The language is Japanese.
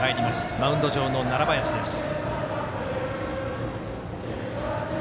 マウンド上の楢林です。